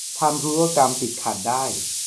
ทำธุรกรรมติดขัดได้